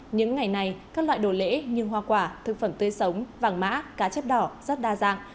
những ngày này các loại đồ lễ như hoa quả thực phẩm tươi sống vàng mã cá chép đỏ rất đa dạng